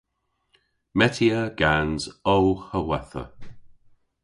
Metya gans ow howetha.